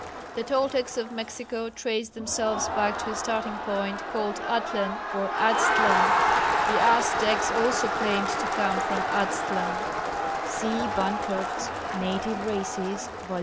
The Toltecs of Mexico traced themselves back to a starting point called Atlan or Aztlan; the Aztecs also claimed to come from Aztlan (see Bancroft's Native Races, vol.